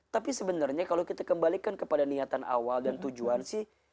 tapi sebenarnya kalau kita kembalikan kepada niatan awal dan tujuan sih